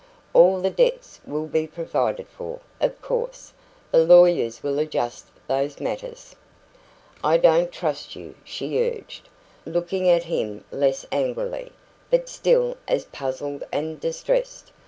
"All the debts will be provided for, of course. The lawyers will adjust those matters." "I don't trust you," she urged, looking at him less angrily, but still as puzzled and distressed.